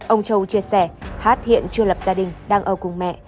ông châu chia sẻ hát hiện chưa lập gia đình đang ở cùng mẹ